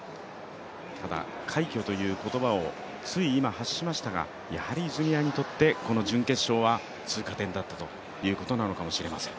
ただ、快挙という言葉をつい今、発しましたがやはり泉谷にとってこの準決勝は通過点だったということかもしれません。